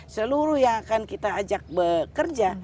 seluruh yang akan kita ajak bekerja